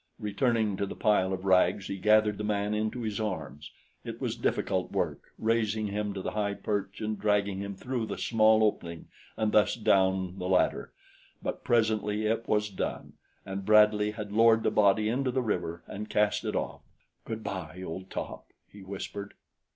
Returning to the pile of rags he gathered the man into his arms. It was difficult work raising him to the high perch and dragging him through the small opening and thus down the ladder; but presently it was done, and Bradley had lowered the body into the river and cast it off. "Good bye, old top!" he whispered.